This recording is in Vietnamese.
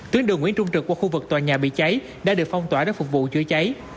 tuyến đường nguyễn trung trực qua khu vực tòa nhà bị cháy đã được phong tỏa để phục vụ chữa cháy